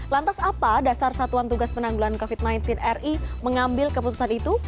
lantas apa dasar satuan tugas penanggulan covid sembilan belas ri mengambil keputusan itu